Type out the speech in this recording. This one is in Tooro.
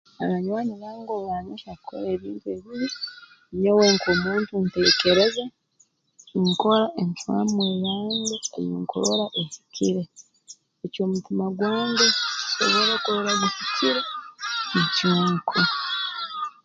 Abanywani bange obu baanyohya kukora ebintu ebibi nyowe nk'omuntu nteekereza nkora encwamu eyange ei nkurora ehikire eky'omutima gwange kisobora kurora guhikire nikyo nkora